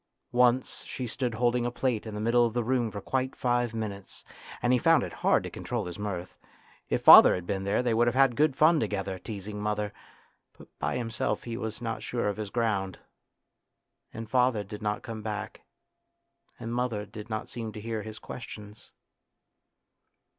Once she stood holding a plate in the middle of the room for quite five minutes, and he found it hard to control his mirth. If father had been there they would have had good fun together, teasing mother, but by himself he was not sure of his ground. And father did not come back, and mother did not seem to hear his questions.